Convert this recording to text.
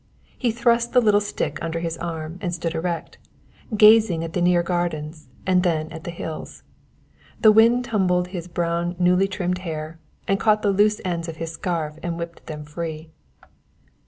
He thrust the little stick under his arm and stood erect, gazing at the near gardens and then at the hills. The wind tumbled his brown newly trimmed hair, and caught the loose ends of his scarf and whipped them free.